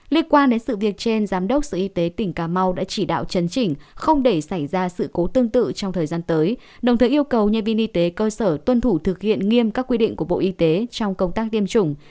liên quan đến sự việc trên giám đốc sở y tế tỉnh cà mau đã chỉ đạo chấn chỉnh không để xảy ra sự cố tương tự trong thời gian tới đồng thời yêu cầu nhân viên y tế cơ sở tuân thủ thực hiện nghiêm các quy định của bộ y tế trong công tác tiêm chủng